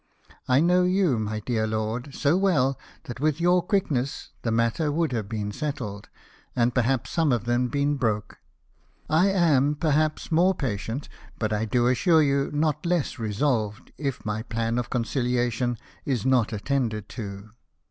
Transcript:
I know you, my dear lord, so well, that with your quickness the matter would have been settled, and perhaps some of them been broke. I am, perhaps, more patient, but I do assure you, not less resolved, if my plan of concilia tion is not attended to.